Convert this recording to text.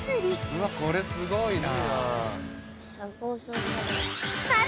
「うわっこれすごいな」